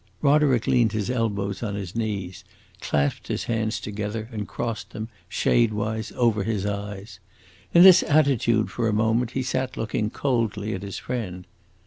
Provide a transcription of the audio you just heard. Roderick leaned his elbows on his knees, clasped his hands together, and crossed them, shadewise, over his eyes. In this attitude, for a moment, he sat looking coldly at his friend.